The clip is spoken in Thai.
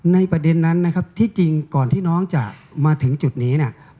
ในประเด็นนั้นนะครับที่จริงก่อนที่น้องจะมาถึงจุดนี้เนี่ยมันเป็นการต่อสู้